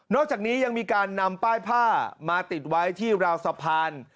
อกจากนี้ยังมีการนำป้ายผ้ามาติดไว้ที่ราวสะพาน